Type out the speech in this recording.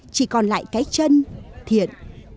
chỉ còn lại cái chân thiện